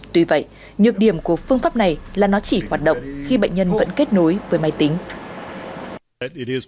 tuy vậy nhược điểm của phương pháp này là nó chỉ hoạt động khi bệnh nhân vẫn kết nối với máy tính